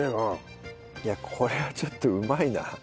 いやこれはちょっとうまいな。